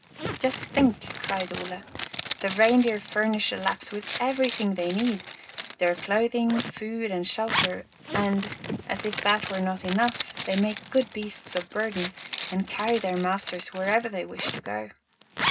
"Just think!" cried Ole. "The reindeer furnish the Lapps with everything they need, their clothing, food, and shelter; and, as if that were not enough, they make good beasts of burden, and carry their masters wherever they wish to go."